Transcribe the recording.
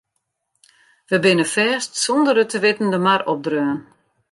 We binne fêst sûnder it te witten de mar opdreaun.